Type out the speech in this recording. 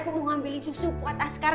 mau ngambil susu kuat askar